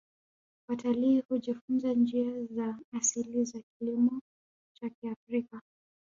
Watalii hujifunza njia za asili za kilimo cha kiafrika